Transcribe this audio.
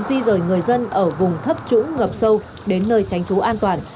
di rời người dân ở vùng thấp trũng ngập sâu đến nơi tránh trú an toàn